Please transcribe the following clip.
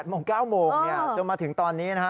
โมง๙โมงจนมาถึงตอนนี้นะฮะ